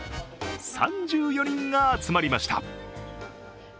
３４人が集まりました。